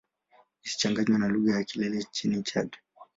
Isichanganywe na lugha ya Kilele nchini Chad.